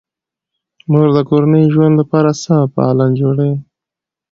مور د کورني ژوند لپاره سمه پالن جوړوي.